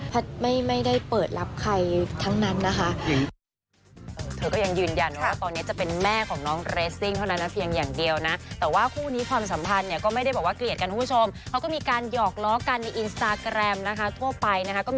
ไม่ได้เปิดรับใครทั้งนั้นนะคะ